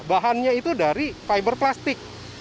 bahannya itu dari fiber plastik